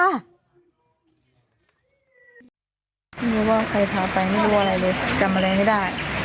ไม่รู้ว่าใครพาไปไม่รู้อะไรเลยกลับมาเรียนไม่ได้